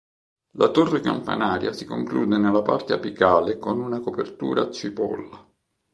La torre campanaria si conclude nella parte apicale con una copertura a cipolla.